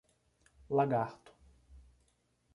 Lagarto